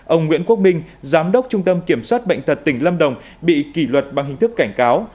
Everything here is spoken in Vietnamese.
ông nguyễn quốc minh giám đốc trung tâm kiểm soát bệnh tật tỉnh lâm đồng bị kỷ luật bằng hình thức cảnh cáo